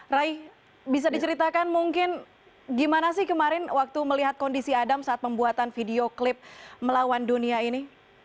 rai bisa diceritakan mungkin gimana sih kemarin waktu melihat kondisi adam saat pembuatan video klip melawan dunia ini